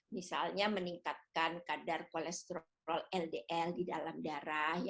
misalnya meningkatkan kadar kolesterol ldl di dalam darah